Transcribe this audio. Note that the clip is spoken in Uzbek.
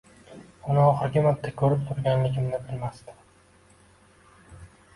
Uni oxirgi marta ko`rib turganligimni bilmasdim